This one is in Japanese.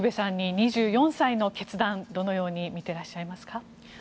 ２４歳の決断をどのように見てらっしゃいますか。